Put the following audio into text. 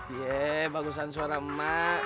yee bagusan suara emak